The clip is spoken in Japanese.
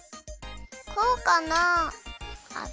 こうかな？